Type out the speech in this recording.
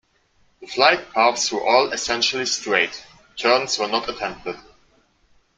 The flight paths were all essentially straight; turns were not attempted.